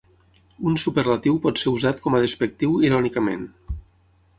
Un superlatiu pot ser usat com a despectiu irònicament.